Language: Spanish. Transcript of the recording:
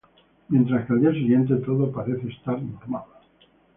Mientras que al día siguiente todo parece estar normal.